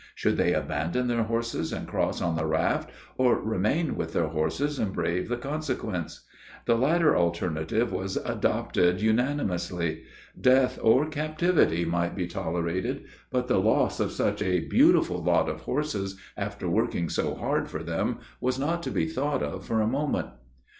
Should they abandon their horses and cross on the raft, or remain with their horses and brave the consequence? The latter alternative was adopted unanimously. Death or captivity might be tolerated, but the loss of such a beautiful lot of horses, after working so hard for them, was not to be thought of for a moment.